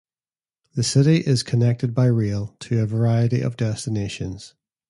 The city is connected by rail to a variety of destinations.